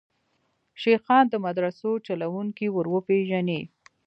شیخان د مدرسو چلوونکي وروپېژني.